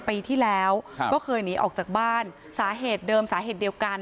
ปีที่แล้วก็เคยหนีออกจากบ้านสาเหตุเดิมสาเหตุเดียวกัน